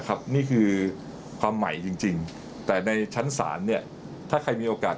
นี่คือความใหม่จริงแต่ในชั้นศาลเนี่ยถ้าใครมีโอกาส